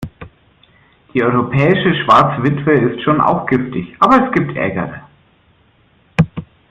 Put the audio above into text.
Die Europäische Schwarze Witwe ist schon auch giftig, aber es gibt ärgere.